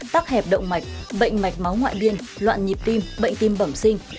tắc hẹp động mạch bệnh mạch máu ngoại biên loạn nhịp tim bệnh tim bẩm sinh